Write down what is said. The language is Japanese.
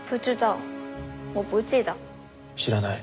知らない。